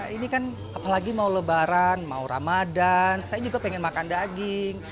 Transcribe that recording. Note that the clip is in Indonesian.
ini kan apalagi mau lebaran mau ramadan saya juga pengen makan daging